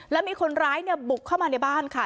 แล้วมีคนร้ายเนี่ยบุกเข้ามาในบ้านค่ะ